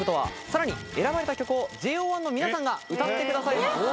さらに選ばれた曲をＪＯ１の皆さんが歌ってくださいます。